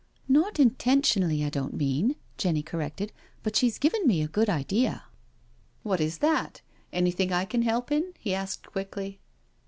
Not intentionally, I don't mean," Jenny corrected, '* but she's given me a good idea." " What is that? Anything I can help in?" he asked quickly.